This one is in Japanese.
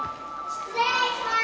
失礼します。